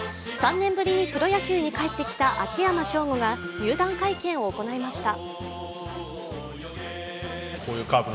３年ぶりにプロ野球に帰ってきた秋山翔吾が入団会見を行いました。